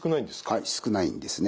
はい少ないんですね。